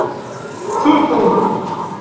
Ttu Tom.